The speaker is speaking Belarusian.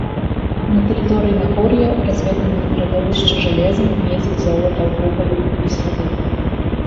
На тэрыторыі нагор'я разведаны радовішчы жалеза, медзі, золата, вугалю і слюды.